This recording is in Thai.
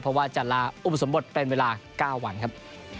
เพราะว่าจะลาอุปสมบทเป็นเวลา๙วันครับ